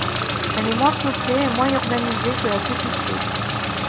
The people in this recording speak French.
Elle est moins peuplée et moins urbanisée que la Petite-Côte.